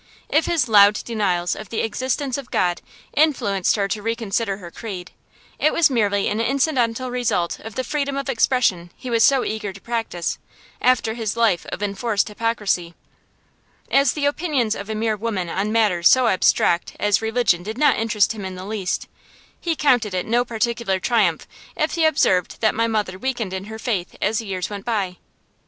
If his loud denials of the existence of God influenced her to reconsider her creed, it was merely an incidental result of the freedom of expression he was so eager to practise, after his life of enforced hypocrisy. As the opinions of a mere woman on matters so abstract as religion did not interest him in the least, he counted it no particular triumph if he observed that my mother weakened in her faith as the years went by.